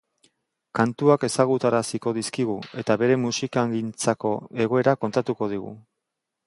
Kantuak ezagutaraziko dizkigu eta bere musikagintzako egoera kontatuko digu.